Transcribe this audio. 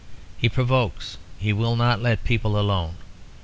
He provokes; he will not let people alone.